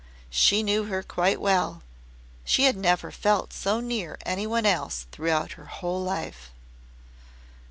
she knew her quite well. She had never felt so near any one else throughout her life.